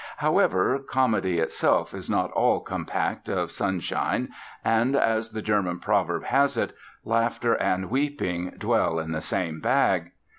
However, comedy itself is not all compact of sunshine and, as the German proverb has it, laughter and weeping dwell in the same bag.